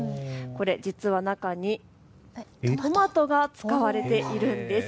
実は中にトマトが使われているんです。